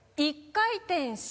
１回転？